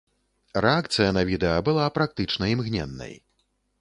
Рэакцыя на відэа была практычна імгненнай.